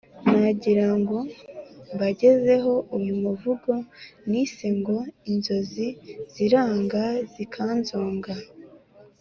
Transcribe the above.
nagirango mbagezeho uyu muvugo nise ngo " inzozi ziranga zikanzonga "